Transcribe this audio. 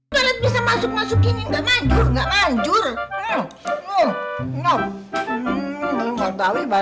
masuk masuk masukin enggak manjur manjur